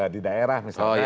di daerah misalnya ya